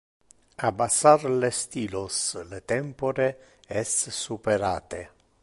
Abassar le stilos, le tempore es superate.